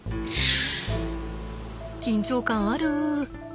緊張感ある。